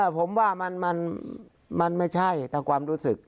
ผมว่ามันไม่ใช่แต่ความรู้สึก